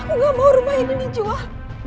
aku gak mau rumah ini dijual